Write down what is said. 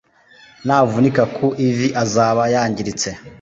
Navunika ku ivi azaba yangiritse